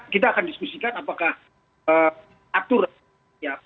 kita akan diskusikan apakah aturan ya